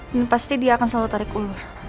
dan pasti dia akan selalu tarik ulur